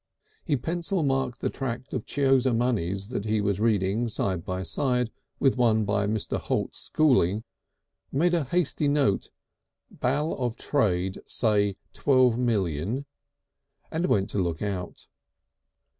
He pencilled marked the tract of Chiozza Money's that he was reading side by side with one by Mr. Holt Schooling, made a hasty note "Bal. of Trade say 12,000,000" and went to look out.